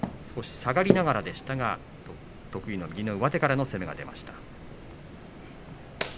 下がりながらでしたが得意の右の上手からの攻めが出ました。